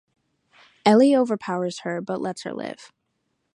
Ellie overpowers her but lets her live.